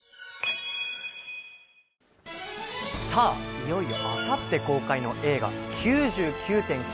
いよいよあさって公開の映画「９９．９」。